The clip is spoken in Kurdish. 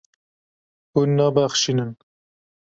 Hûn nabexşînin.